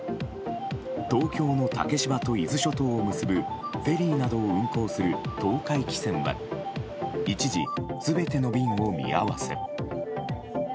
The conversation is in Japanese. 東京の竹芝と伊豆諸島を結ぶフェリーなどを運航する東海汽船は一時、全ての便を見合わせ。